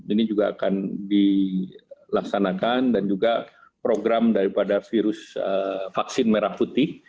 ini juga akan dilaksanakan dan juga program daripada virus vaksin merah putih